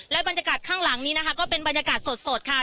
บรรยากาศข้างหลังนี้นะคะก็เป็นบรรยากาศสดค่ะ